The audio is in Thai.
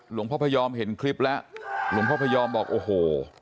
หลวงพ่อพยอมเห็นคลิปแล้วหลวงพ่อพยอมบอกโอ้โห